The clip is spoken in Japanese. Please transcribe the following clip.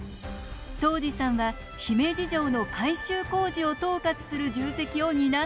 田路さんは姫路城の改修工事を統括する重責を担っているんです。